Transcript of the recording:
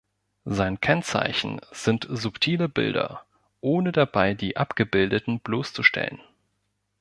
Sein Kennzeichen sind subtile Bilder, ohne dabei die Abgebildeten bloßzustellen.